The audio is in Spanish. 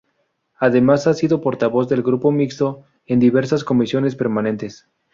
Además ha sido portavoz del grupo mixto en diversas comisiones permanentes.